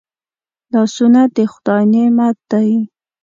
لاسونه د خدای نعمت دی